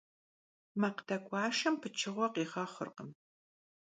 Makh dek'uaşşem pıçığue khiğexhurkhım.